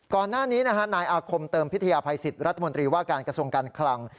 ก่อนหน้านี้นะฮะนายอาคมเติมพิทยาภัยสิทธิ์รัฐมนตรีว่าการกระทรวงการคลัง